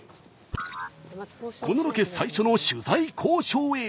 このロケ最初の取材交渉へ。